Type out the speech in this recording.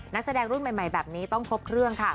นักแสดงรุ่นใหม่แบบนี้ต้องครบเครื่องค่ะ